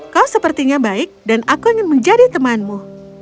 kau sepertinya baik dan aku ingin menjadi temanmu